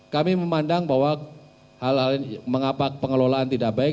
kami memandang bahwa mengapa pengelolaan tidak baik